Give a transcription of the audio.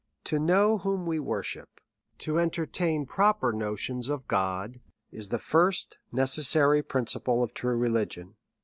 " To know whom we worship, to entertain proper notions of God, is the first necessary principle of true religion.